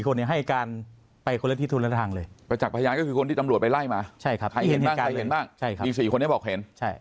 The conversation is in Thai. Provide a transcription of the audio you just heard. มี๔คนที่บอกเห็น